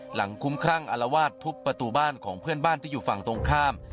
คุ้มครั่งอารวาสทุบประตูบ้านของเพื่อนบ้านที่อยู่ฝั่งตรงข้าม